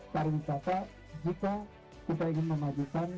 dari wisata jika kita ingin memajukan